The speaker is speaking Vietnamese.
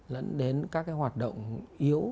dẫn đến các cái hoạt động yếu